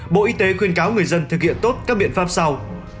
bộ y tế khuyên cáo người dân thực hiện tốt các biện pháp sau